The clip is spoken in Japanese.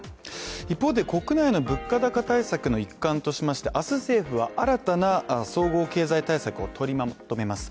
一方で、国内の物価高対策の一環としまして明日政府は新たな総合経済対策を取りまとめます。